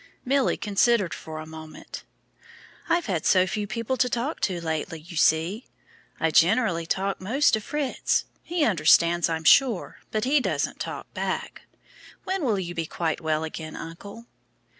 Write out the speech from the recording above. Milly considered for a moment. "I've had so few people to talk to lately, you see; I generally talk most to Fritz. He understands, I'm sure, but he doesn't talk back. When will you be quite well again, uncle?"